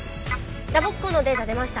打撲痕のデータ出ました。